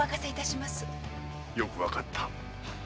よくわかった。